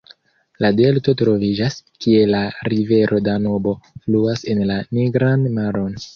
La delto troviĝas, kie la rivero Danubo fluas en la Nigran maron.